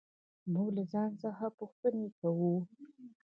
موږ له ځان څخه پوښتنې کوو.